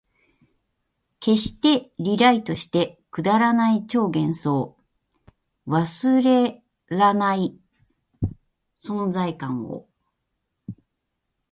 消して、リライトして、くだらない超幻想、忘れらない存在感を